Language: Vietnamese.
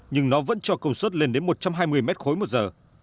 nhưng nó vẫn cho công suất lên đến một trăm hai mươi mét khối một giờ